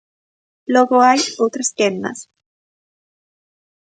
Logo hai outras quendas.